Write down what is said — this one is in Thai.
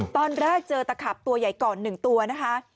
ตอนแรกเจอตะขับตัวใหญ่ก่อน๑ตัวนะคะ